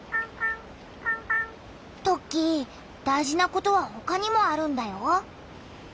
トッキー大事なことはほかにもあるんだよ。